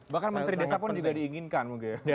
bahkan menteri desa pun juga diinginkan mungkin ya